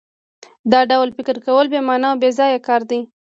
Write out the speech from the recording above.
دا ډول فکر کول بې مانا او بېځایه کار دی